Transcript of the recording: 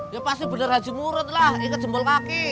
ya pasti bener haji murod lah ikat jempol kaki